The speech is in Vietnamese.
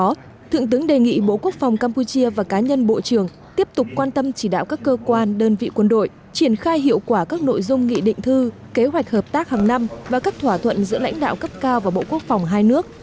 trước đó thượng tướng đề nghị bộ quốc phòng campuchia và cá nhân bộ trưởng tiếp tục quan tâm chỉ đạo các cơ quan đơn vị quân đội triển khai hiệu quả các nội dung nghị định thư kế hoạch hợp tác hàng năm và các thỏa thuận giữa lãnh đạo cấp cao và bộ quốc phòng hai nước